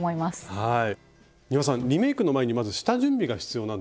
はい。